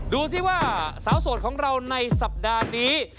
ดูสิว่าสาวโสดของเราในสัปดาห์นี้